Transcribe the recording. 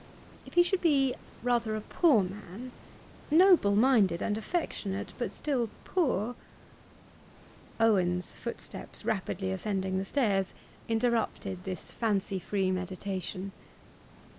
'If he should be rather a poor man noble minded and affectionate, but still poor ' Owen's footsteps rapidly ascending the stairs, interrupted this fancy free meditation.